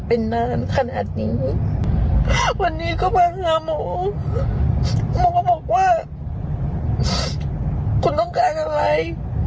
เป็นนานขนาดนี้วันนี้ก็มาหาหมอหมอก็บอกว่าคุณต้องการอะไร